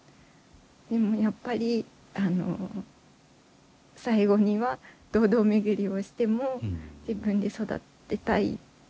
でもやっぱり最後には堂々巡りをしても自分で育てたいって思ってはい。